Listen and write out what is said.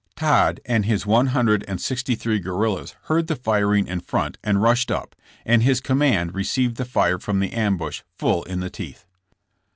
Todd and his one hundred and sixty three guerrillas heard the firing in front and rushed up, and his command re ceived the fire from the ambush full in the teeth.